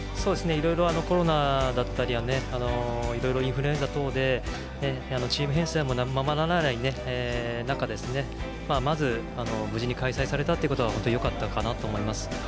コロナだったりインフルエンザ等でチーム編成も、ままならない中まず無事に開催されたことが本当によかったと思います。